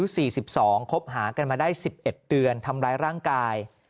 ๔๒คบหากันมาได้๑๑เดือนทำร้ายร่างกาย